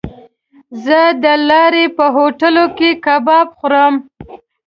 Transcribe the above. زه د لارې په هوټلو کې کباب خورم.